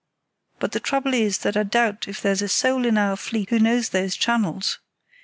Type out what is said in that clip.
But the trouble is that I doubt if there's a soul in our fleet who knows those channels.